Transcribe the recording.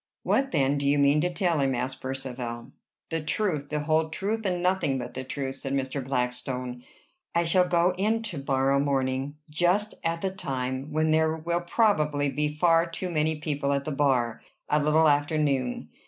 "What, then, do you mean to tell him?" asked Percivale. "The truth, the whole truth, and nothing but the truth," said Mr. Blackstone. "I shall go in to morrow morning, just at the time when there will probably be far too many people at the bar, a little after noon.